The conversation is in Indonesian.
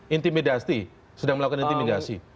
intimidasi sudah melakukan intimidasi